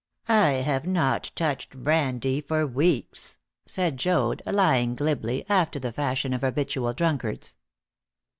"I have not touched brandy for weeks!" said Joad, lying glibly, after the fashion of habitual drunkards.